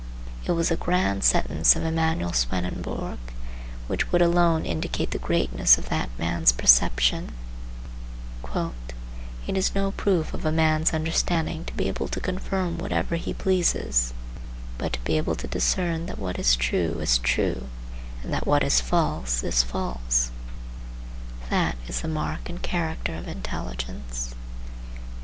It was a grand sentence of Emanuel Swedenborg, which would alone indicate the greatness of that man's perception,—"It is no proof of a man's understanding to be able to confirm whatever he pleases; but to be able to discern that what is true is true, and that what is false is false,—this is the mark and character of intelligence."